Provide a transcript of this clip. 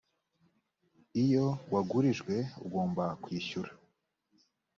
iyo wagurijwe ugomba kwishyura